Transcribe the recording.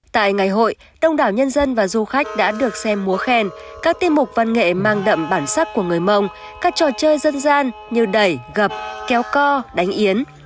tại ngày hội đông đảo nhân dân và du khách đã được xem múa khen các tiết mục văn nghệ mang đậm bản sắc của người mông các trò chơi dân gian như đẩy gập kéo co đánh yến